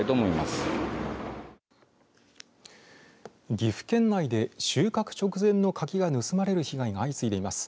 岐阜県内で収穫直前の柿が盗まれる被害が相次いでいます。